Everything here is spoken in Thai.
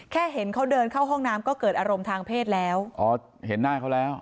เห็นเขาเดินเข้าห้องน้ำก็เกิดอารมณ์ทางเพศแล้วอ๋อเห็นหน้าเขาแล้ว